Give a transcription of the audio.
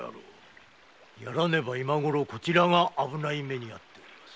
殺らねばこちらが危ないめにあっております。